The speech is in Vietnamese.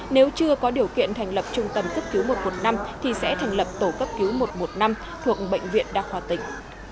nếu chưa có điều kiện thành lập trung tâm cấp cứu một trăm một mươi năm thì sẽ thành lập tổ cấp cứu một trăm một mươi năm thuộc bệnh viện đa khoa tỉnh